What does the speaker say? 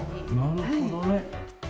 なるほどね。